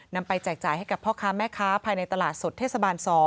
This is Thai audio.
ไปแจกจ่ายให้กับพ่อค้าแม่ค้าภายในตลาดสดเทศบาล๒